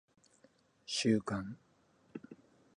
収監